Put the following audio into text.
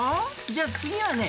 じゃあ次はね